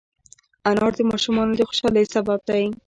انار د ماشومانو د خوشحالۍ سبب دی.